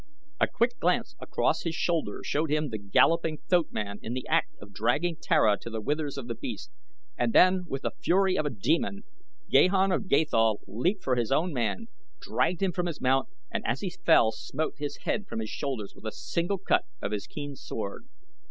A quick glance across his shoulder showed him the galloping thoatman in the act of dragging Tara to the withers of the beast, and then, with the fury of a demon, Gahan of Gathol leaped for his own man, dragged him from his mount and as he fell smote his head from his shoulders with a single cut of his keen sword.